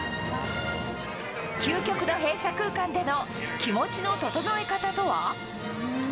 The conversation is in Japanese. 究極の閉鎖空間での気持ちの整え方とは？